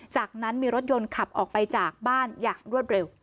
จากนั้นมีรถยนต์ขับออกไปจากบ้านอย่างรวดเร็ว